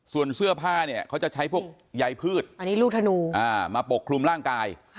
ส่วนเสื้อผ้าเนี่ยเขาจะใช้พวกใยพืชมาปกคลุมร่างกาย